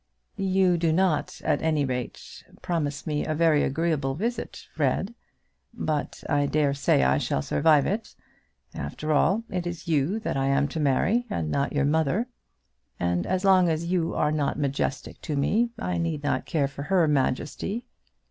"You do not, at any rate, promise me a very agreeable visit, Fred. But I dare say I shall survive it. After all, it is you that I am to marry, and not your mother; and as long as you are not majestic to me, I need not care for her majesty."